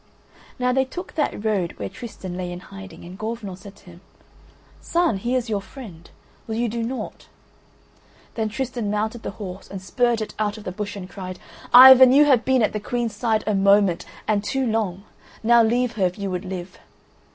Now they took that road where Tristan lay in hiding, and Gorvenal said to him: "Son, here is your friend. Will you do naught?" Then Tristan mounted the horse and spurred it out of the bush, and cried: "Ivan, you have been at the Queen's side a moment, and too long. Now leave her if you would live."